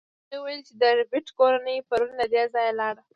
هغې وویل چې د ربیټ کورنۍ پرون له دې ځایه لاړه